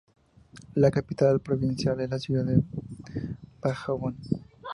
La capital provincial es la ciudad de Dajabón.